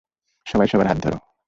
সবাই সবার হাত ধরো।